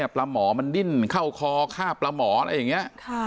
แต่มีประหมอค่าปรหมออย่างนี้